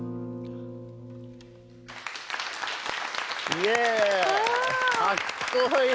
イエーイかっこいい。